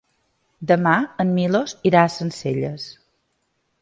Demà en Milos irà a Sencelles.